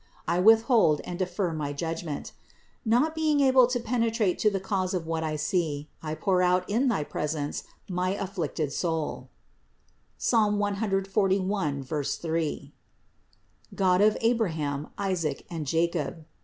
I withhold and defer my judgment. Not be ing able to penetrate to the cause of what I see, I pour out in thy presence my afflicted soul (Ps. 141, 3), God of Abraham, Isaac and Jacob.